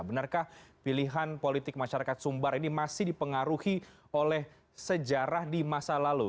benarkah pilihan politik masyarakat sumbar ini masih dipengaruhi oleh sejarah di masa lalu